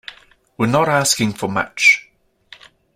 We're not asking for much.